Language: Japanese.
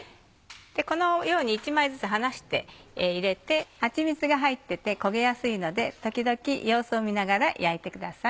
このように１枚ずつ離して入れてはちみつが入ってて焦げやすいので時々様子を見ながら焼いてください。